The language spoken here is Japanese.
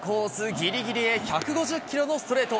ぎりぎりへ１５０キロのストレート。